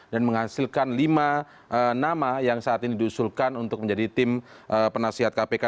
dan menghasilkan lima nama yang saat ini diusulkan untuk menjadi tim penasihat kpk